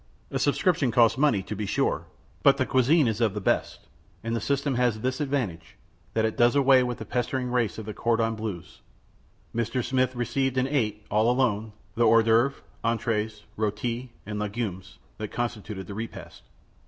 A subscription costs money, to be sure, but the cuisine is of the best, and the system has this advantage, that it does away with the pestering race of the cordons bleus. Mr. Smith received and ate, all alone, the hors d'oeuvre, entr├®es, r├┤ti, and legumes that constituted the repast.